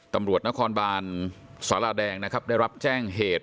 ตำรวจนครบาลสาราแดงได้รับแจ้งเหตุ